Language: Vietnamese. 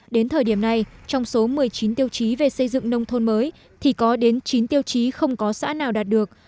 đến thời điểm này trong số một mươi chín tiêu chí về xây dựng nông thôn mới thì có đến chín tiêu chí không có xã nào đạt được